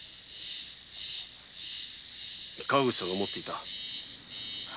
川口さんが持っていた。